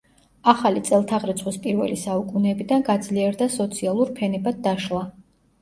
ახალი წელთაღრიცხვის პირველი საუკუნეებიდან გაძლიერდა სოციალურ ფენებად დაშლა.